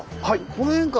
この辺か。